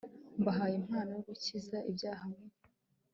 mbahaye impano yo gukiza ibyaha mu